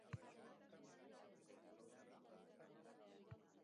Presidenteak dekretu bat sinatuko zuela esan zuen, baina azkenean ez zuen egin.